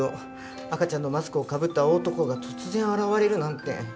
赤ちゃんのマスクをかぶった大男が突然現れるなんて。